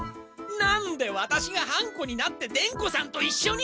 何でワタシが半子になって伝子さんと一緒に。